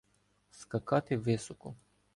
скакати високо.